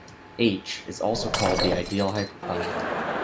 "H" is also called the ideal hyperplane.